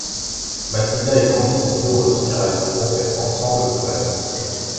Matilda et Candy sont heureuses car elles pourront être ensemble pour la vie.